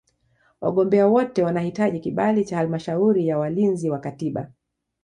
Wagombea wote wanahitaji kibali cha Halmashauri ya Walinzi wa Katiba.